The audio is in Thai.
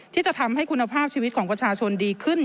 ที่จะทำให้คุณภาพชีวิตของประชาชนดีขึ้น